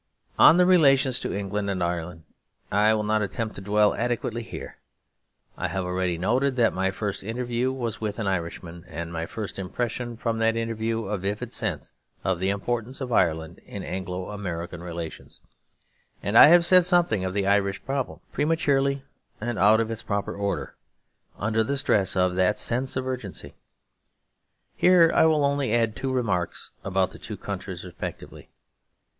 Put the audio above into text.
On the relations to England and Ireland I will not attempt to dwell adequately here. I have already noted that my first interview was with an Irishman, and my first impression from that interview a vivid sense of the importance of Ireland in Anglo American relations; and I have said something of the Irish problem, prematurely and out of its proper order, under the stress of that sense of urgency. Here I will only add two remarks about the two countries respectively.